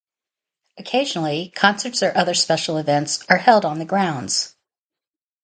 Occasionally concerts or other special events are held on the grounds.